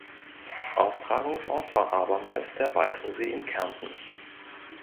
Austragungsort war abermals der Weissensee in Kärnten.